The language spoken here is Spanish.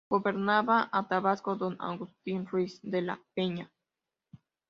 Gobernaba a Tabasco don Agustín Ruiz de la Peña.